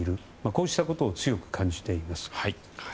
こうしたことを強く感じています。